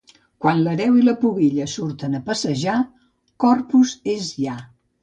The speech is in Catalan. Quan l'Hereu i la Pubilla surten a passejar, Corpus és ja.